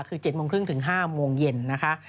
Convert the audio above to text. คือ๑๗๓๐ถึง๑๗๐๐นาที